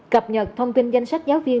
cập nhật thông tin danh sách giáo viên